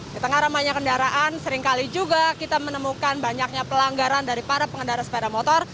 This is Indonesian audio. di tengah ramainya kendaraan seringkali juga kita menemukan banyaknya pelanggaran dari para pengendara sepeda motor